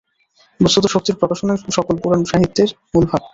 বস্তুত শক্তির প্রকাশনাই সকল পুরাণ-সাহিত্যের মূল ভাব।